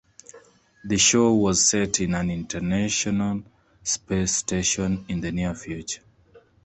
The show was set in an international space station in the near future.